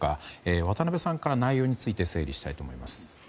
渡辺さんから内容について整理したいと思います。